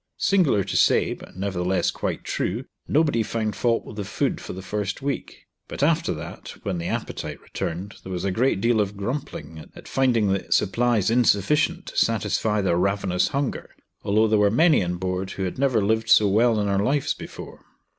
Singular to say, but nevertheless quite true, nobody found fault with the food for the first week, but after that, when the appetite returned, there was a great deal of grumbling at finding the supplies insufficient to satisfy their ravenous hunger although there were many on board who had never lived so well in their lives before.